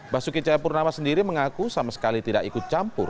basuki cahayapurnama sendiri mengaku sama sekali tidak ikut campur